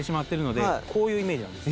こういうイメージなんです。